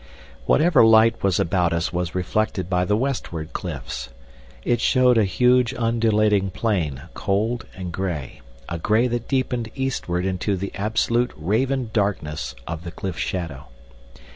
Whatever light was about us was reflected by the westward cliffs. It showed a huge undulating plain, cold and grey, a grey that deepened eastward into the absolute raven darkness of the cliff shadow.